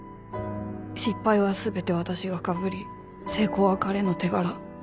失敗は全て私がかぶり成功は彼の手柄。